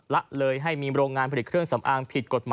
ละเลยให้มีโรงงานผลิตเครื่องสำอางผิดกฎหมาย